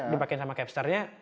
dipakein sama capsternya